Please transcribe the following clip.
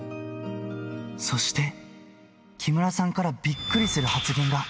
そして、木村さんからびっくりす